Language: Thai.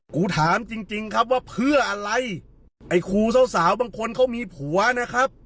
กูถามจริงจริงครับว่าเพื่ออะไรไอ้ครูสาวสาวบางคนเขามีผัวนะครับ